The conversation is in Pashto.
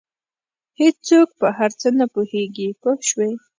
هېڅوک په هر څه نه پوهېږي پوه شوې!.